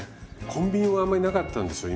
コンビニもあんまりなかったんですよ。